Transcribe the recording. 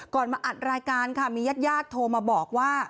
มาอัดรายการค่ะมีญาติญาติโทรมาบอกว่า